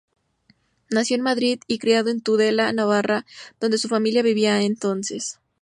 Nacido en Madrid, y criado en Tudela, Navarra, donde su familia vivía entonces.